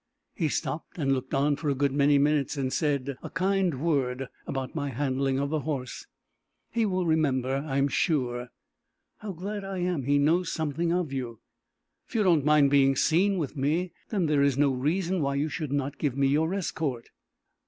He stopped and looked on for a good many minutes, and said a kind word about my handling of the horse. He will remember, I am sure." "How glad I am he knows something of you! If you don't mind being seen with me, then, there is no reason why you should not give me your escort."